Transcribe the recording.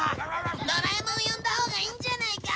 ドラえもん呼んだほうがいいんじゃないか？